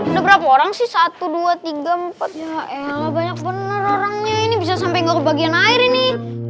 udah berapa orang sih satu dua tiga empat ya gak banyak bener orangnya ini bisa sampai nggak kebagian air ini